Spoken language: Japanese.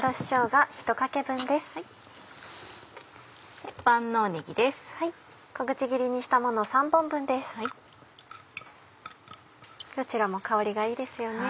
どちらも香りがいいですよね。